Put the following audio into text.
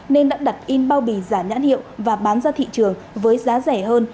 nên đã đặt in bao bì giả nhãn hiệu và bán ra thị trường với giá rẻ hơn